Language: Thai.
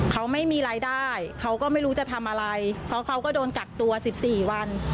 เขาไม่มีรายได้เขาก็ไม่รู้จะทำอะไรเพราะเขาก็โดนกักตัว๑๔วัน